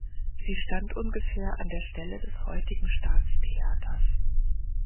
Sie stand ungefähr an der Stelle des heutigen Staatstheaters.